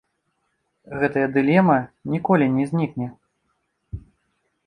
Гэтая дылема ніколі не знікне.